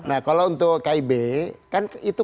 nah kalau untuk kib kan itu